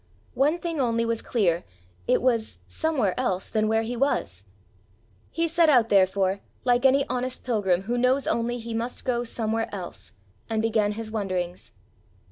One thing only was clear it was somewhere else than where he was. He set out therefore, like any honest pilgrim who knows only he must go somewhere else, and began his wanderings.